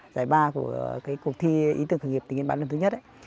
giải ba của cuộc thi ý tưởng khởi nghiệp tỉnh yên bái lần thứ nhất